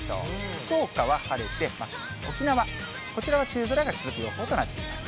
福岡は晴れて、沖縄、こちらは梅雨空が続く予報となっています。